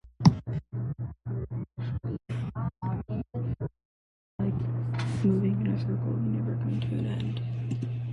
It is like moving in a circle - you never come to an end.